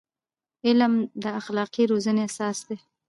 علم د اخلاقي روزنې اساس دی.